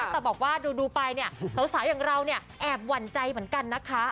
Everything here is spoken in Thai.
แต่บอกว่าดูไปเนี่ยสาวอย่างเราเนี่ยแอบหวั่นใจเหมือนกันนะคะ